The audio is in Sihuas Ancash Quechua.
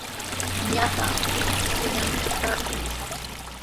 Ñuqa Sihuastrawmi taakuu.